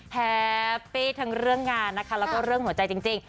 แฮปปี้ทั้งเรื่องงานนะคะแล้วก็เรื่องหัวใจจริง